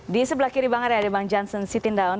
di sebelah kiri bang andre ada bang janssen sitindaun